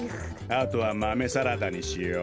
あとはマメサラダにしよう。